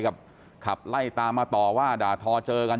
ขับไล่ตามมาต่อว่าด่าทอเจอกัน